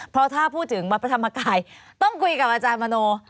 เพราะถ้าพูดถึงวัดพระธรรมกายต้องคุยกับอาจารย์มโน